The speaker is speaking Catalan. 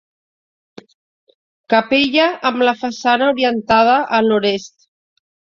Capella amb la façana orientada al Nord-est.